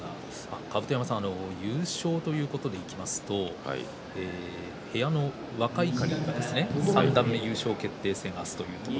甲山さん、優勝ということでいきますと部屋の若碇三段目優勝決定戦が明日ですね。